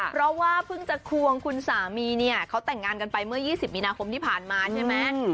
เพราะว่าเพิ่งจะควงคุณสามีเนี่ยเขาแต่งงานกันไปเมื่อ๒๐มีนาคมที่ผ่านมาใช่ไหม